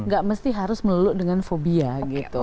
gak mesti harus melulu dengan fobia gitu